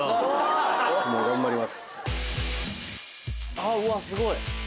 あっうわすごい。